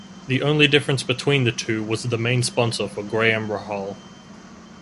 The only difference between the two was the main sponsor for Graham Rahal.